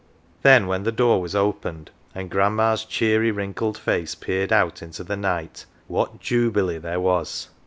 Then, when the door was opened, and "grandma's" cheery wrinkled face peered out into the night, what jubilee there was